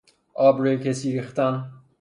آبروی کسی ریختن